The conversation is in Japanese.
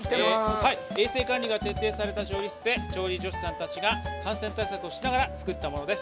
衛生管理が徹底された調理助手さんたちが感染対策をしながら作ったものです。